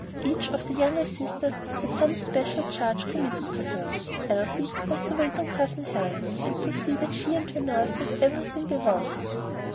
Each of the younger sisters had some special charge committed to her. Elsie was to wait on Cousin Helen, and see that she and her nurse had everything they wanted.